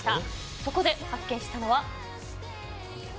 そこで発見したのは。